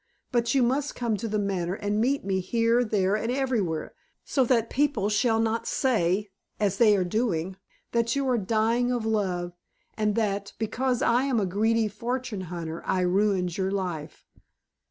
But you must come to The Manor, and meet me here, there, and everywhere, so that people shall not say, as they are doing, that you are dying of love, and that, because I am a greedy fortune hunter, I ruined your life."